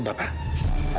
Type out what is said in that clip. dan saya akan bantu anda